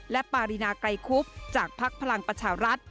และปารีนาไกรคุบจากภักดิ์พลังประชารัฐ